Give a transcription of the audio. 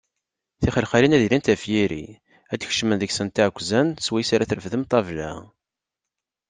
Tixelxalin ad ilint ɣef yiri, ad kecmen deg-sent iɛekkzan swayes ara treffdem ṭṭabla.